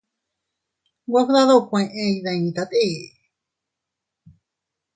Nwe fdadukue iyditate.